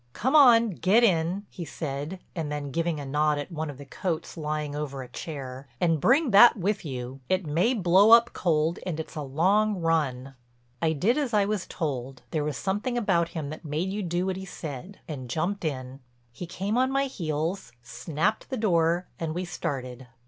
"Come on, get in," he said and then giving a nod at one of the coats lying over a chair, "and bring that with you—it may blow up cold and it's a long run." I did as I was told—there was something about him that made you do what he said—and jumped in. He came on my heels, snapped the door and we started.